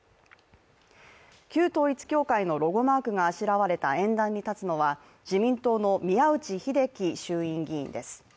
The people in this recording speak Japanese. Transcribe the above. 旧統一教会のロゴマークがあしらわれた演壇に立つのは、自民党の宮内秀樹衆院議員です。